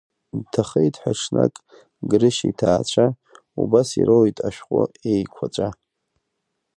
Дҭахеит ҳәа ҽнак Грышьа иҭаацәа, убас ироуит ашәҟәы еиқәаҵәа.